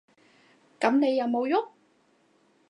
噉你有無郁？